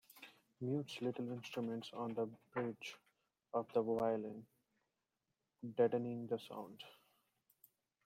Mutes little instruments on the bridge of the violin, deadening the sound.